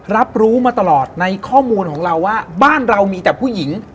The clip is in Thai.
รับรู้มาตลอดในข้อมูลของเราว่าบ้านเรามีแต่ผู้หญิง